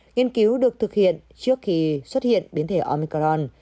nghiên cứu được thực hiện trước khi xuất hiện biến thể omicron